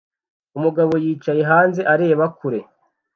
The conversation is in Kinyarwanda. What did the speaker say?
Umugabo yicaye hanze areba kure